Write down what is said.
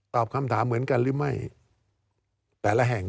คำถามเหมือนกันหรือไม่แต่ละแห่ง